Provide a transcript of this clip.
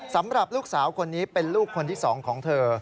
สำหรับลูกสาวคนนี้เป็นลูกคนที่๒ของเธอ